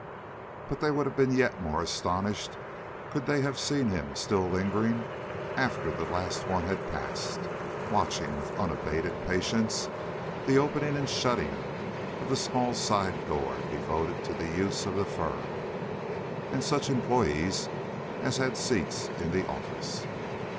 But they would have been yet more astonished could they have seen him still lingering after the last one had passed, watching with unabated patience the opening and shutting of the small side door devoted to the use of the firm, and such employés as had seats in the office.